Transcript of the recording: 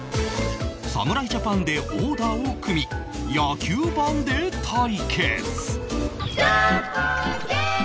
侍ジャパンでオーダーを組み野球盤で対決